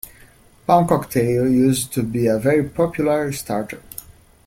Prawn cocktail used to be a very popular starter